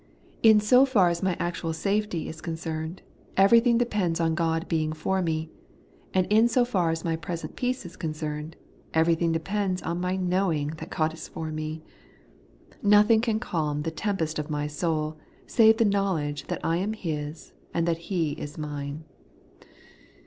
In so far as my 164 The Everlasting Bighteousrvess. actual safety is concerned, everything depends on God being for me; and in so far as my present peace is concerned, everything depends on my know ing that God is for me. Nothing can calm the tempest of my soul, save the knowledge that I am His, and that He is mine.